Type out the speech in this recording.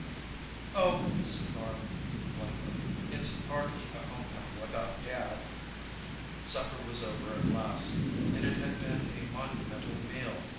"Oh," said Norah, blankly. "It's hardly a homecoming without Dad." Supper was over at last, and it had been a monumental meal.